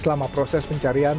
selama proses pencarian